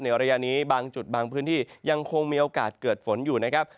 ระยะนี้บางจุดบางพื้นที่ยังคงมีโอกาสเกิดฝนอยู่นะครับ